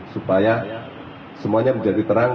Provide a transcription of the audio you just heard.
supaya semuanya menjadi terang